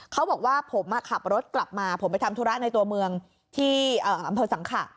เขาบอกว่าผมขับรถกลับมาผมไปทำธุระในตัวเมืองที่อำเภอสังขะ